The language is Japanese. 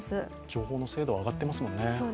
情報の精度は上がっていますもんね。